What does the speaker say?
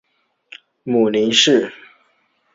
母林氏。